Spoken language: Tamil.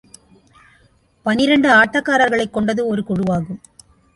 பனிரண்டு ஆட்டக்காரர்களைக் கொண்டது ஒரு குழுவாகும்.